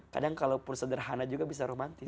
kadang kalaupun sederhana juga bisa romantis